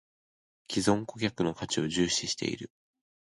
① 既存顧客の価値を重視している